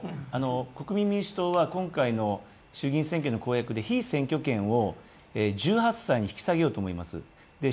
国民民主党は衆議院選挙の公約で、被選挙権を１８歳に引き下げようと思います